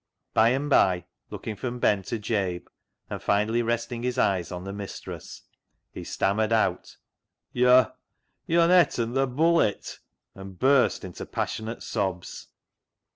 By and by, looking from Ben to Jabe, and finally resting his eyes on the mistress, he stammered out —" Yo'—yo'n etten tJi ' Bullet^ " and burst into passionate sobs.